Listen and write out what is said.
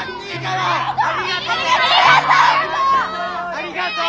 ありがとう！